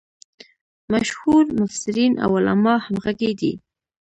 مشهور مفسرین او علما همغږي دي.